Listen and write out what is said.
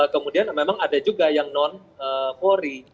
kemudian memang ada juga yang non polri